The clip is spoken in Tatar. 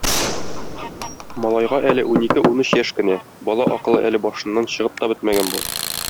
Малайга әле унике-унөч яшь кенә, бала акылы әле башыннан чыгып та бетмәгән була.